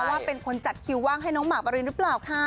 ว่าเป็นคนจัดคิวว่างให้น้องหมากปรินหรือเปล่าค่ะ